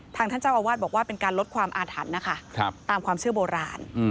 ท่านเจ้าอาวาสบอกว่าเป็นการลดความอาถรรพ์นะคะตามความเชื่อโบราณ